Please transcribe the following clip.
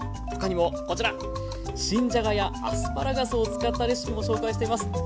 他にもこちら新じゃがやアスパラガスを使ったレシピも紹介しています。